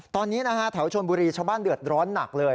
ตอนนี้นะฮะแถวชนบุรีชาวบ้านเดือดร้อนหนักเลย